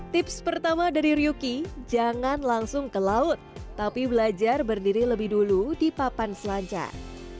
tips pertama dari ryuki jangan langsung ke laut tapi belajar berdiri lebih dulu di papan selancar